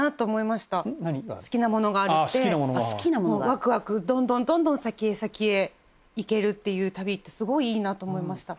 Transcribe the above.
好きなものがあるってワクワクどんどんどんどん先へ先へ行けるっていう旅ってすごいいいなと思いました。